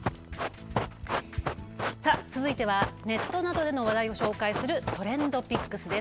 続いてはネットなどでの話題を紹介するＴｒｅｎｄＰｉｃｋｓです。